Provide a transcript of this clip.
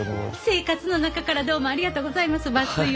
生活の中からどうもありがとうございます。